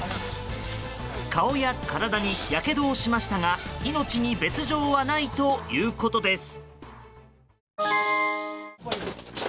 顔や体にやけどをしましたが命に別状はないということです。